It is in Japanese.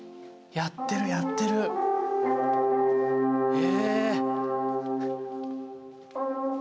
やってるやってる！え！